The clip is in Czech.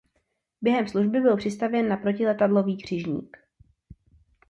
Během služby byl přestavěn na protiletadlový křižník.